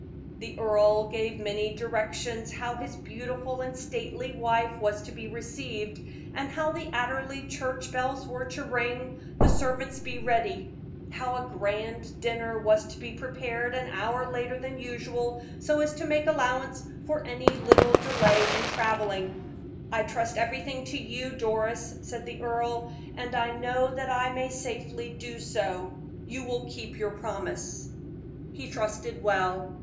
The earl gave many directions how his beautiful and stately wife was to be received; how the Anderley church bells were to ring, the servants be ready; how a grand dinner was to be prepared an hour later than usual, so as to make allowance for any little delay in traveling. "I trust everything to you, Doris," said the earl, "and I know that I may safely do so; you will keep your promise." He trusted well.